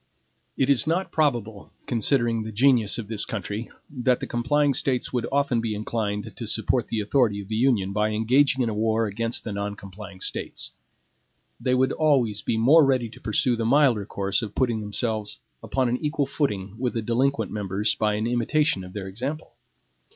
It is not probable, considering the genius of this country, that the complying States would often be inclined to support the authority of the Union by engaging in a war against the non complying States. They would always be more ready to pursue the milder course of putting themselves upon an equal footing with the delinquent members by an imitation of their example.